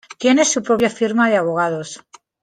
Tiene su propia firma de abogados.